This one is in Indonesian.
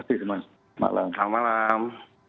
terima kasih teman selamat malam selamat malam